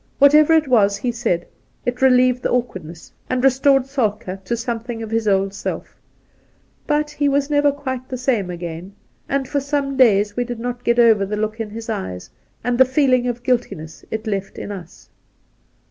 Whatever it was he said, it relieved the awkwardness, and restored Soltke to something of his old self ; but he was never quite the same again, and for some days we did not get over the look in his eyes and the feeling of guiltiness it left in us.